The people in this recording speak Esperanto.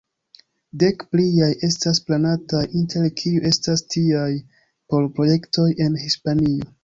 Dek pliaj estas planataj, inter kiuj estas tiaj por projektoj en Hispanio.